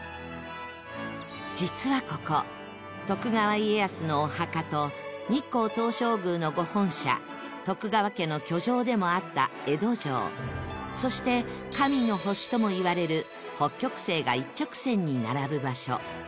実はここ徳川家康のお墓と日光東照宮の御本社徳川家の居城でもあった江戸城そして神の星ともいわれる北極星が一直線に並ぶ場所